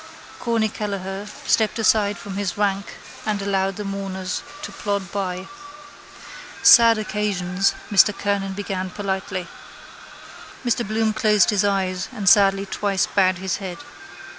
Corny Kelleher stepped aside from his rank and allowed the mourners to plod by. —Sad occasions, Mr Kernan began politely. Mr Bloom closed his eyes and sadly twice bowed his head.